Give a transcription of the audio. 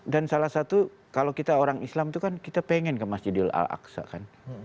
dan salah satu kalau kita orang islam itu kan kita pengen ke masjidil al aqsa kan